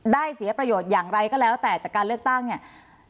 เสียประโยชน์อย่างไรก็แล้วแต่จากการเลือกตั้งเนี่ย